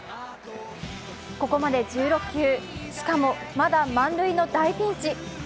ここまで１６球しかもまだ満塁の大ピンチ。